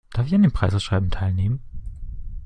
Darf ich an dem Preisausschreiben teilnehmen?